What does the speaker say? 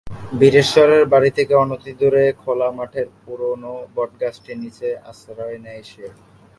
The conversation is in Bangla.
বীরেশ্বরের বাড়ি থেকে অনতিদূরে খোলা মাঠের পুরোনো বটগাছটির নিচে আশ্রয় নেয় সে।